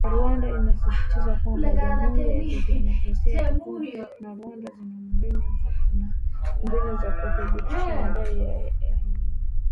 Rwanda inasisitiza kwamba “Jamhuri ya kidemokrasia ya Kongo na Rwanda zina mbinu za kuthibitisha madai ya aina yoyote chini ya ushirika wa nchi za maziwa makuu.